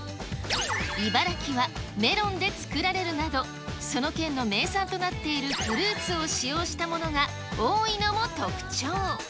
茨城はメロンで作られるなど、その県の名産となっているフルーツを使用したものが多いのも特徴。